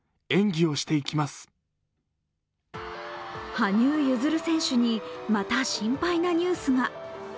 羽生結弦選手にまた心配なニュースが。